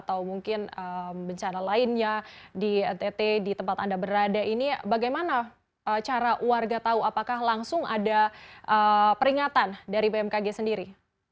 atau mungkin bencana lainnya di ntt di tempat anda berada ini bagaimana cara warga tahu apakah langsung ada peringatan dari bmkg sendiri